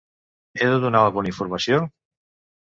He de donar alguna informació?